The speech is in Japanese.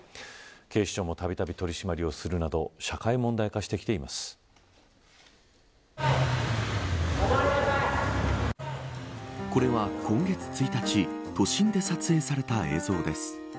警視庁も、たびたび取り締まりをするなどこれは今月１日都心で撮影された映像です。